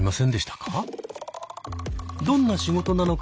どんな仕事なのか